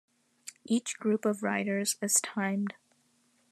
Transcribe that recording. Each group of riders is timed.